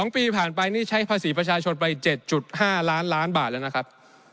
๒ปีผ่านไปนี่ใช้ภาษีประชาชนไป๗๕ล้านล้านบาทแล้วนะครับ